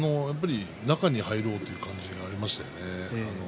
中に入ろうという感じがありましたよね。